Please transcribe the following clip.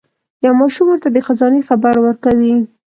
یو ماشوم ورته د خزانې خبر ورکوي.